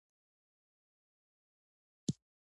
د ښار خلک ډېرو آسانتیاوو ته لاسرسی لري.